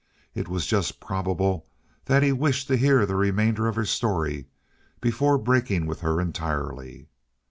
It was just probable that he wished to hear the remainder of her story before breaking with her entirely.